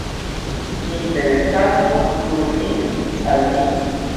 Interesanto turniĝu al ni.